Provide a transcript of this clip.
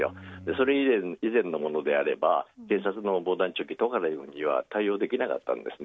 それ以前のものであれば警察の防弾チョッキはトカレフには対応できなかったんですね。